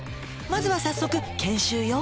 「まずは早速研修よ」